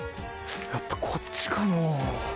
やっぱこっちかのう？